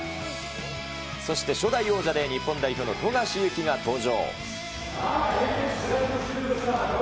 そして初代王者で日本代表の富樫勇樹が登場。